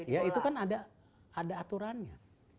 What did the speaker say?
ya itu kan ada aturannya